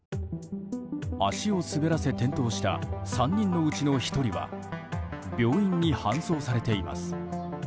足を滑らせ転倒した３人のうちの１人は病院に搬送されています。